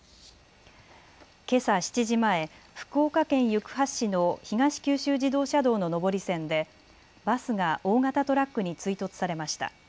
けさ７時前、福岡県行橋市の東九州自動車道の上り線でバスが大型トラックに追突されました。